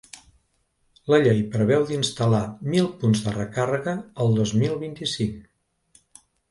La llei preveu d’instal·lar mil punts de recàrrega el dos mil vint-i-cinc.